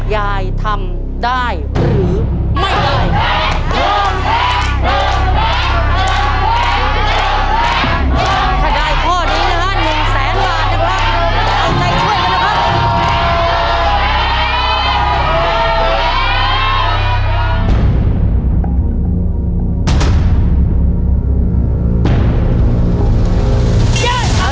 ยายทำได้หรือไม่ได้หรือไม่ได้